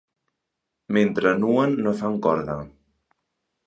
Mentre nuen no fan corda.